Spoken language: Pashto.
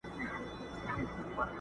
دومره پوه نه سوم ښځه که نر یې!